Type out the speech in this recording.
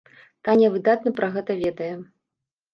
Таня выдатна пра гэта ведае.